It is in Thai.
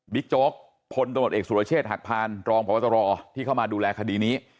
บิ๊กโจ๊กพตเสุรเชษฐ์หักพานรองพวัตรอที่เข้ามาดูแลคดีนี้